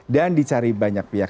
dan dicari banyak pihak